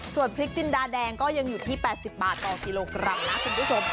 ส่วนพริกจินดาแดงก็ยังอยู่ที่๘๐บาทต่อกิโลกรัมนะคุณผู้ชม